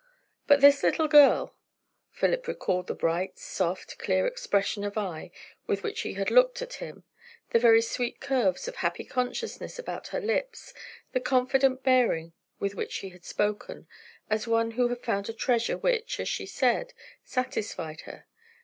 But this little girl Philip recalled the bright, soft, clear expression of eye with which she had looked at him; the very sweet curves of happy consciousness about her lips; the confident bearing with which she had spoken, as one who had found a treasure which, as she said, satisfied her.